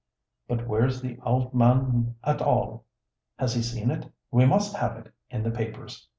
But where's the ould man at all? Has he seen it? We must have it in the papers.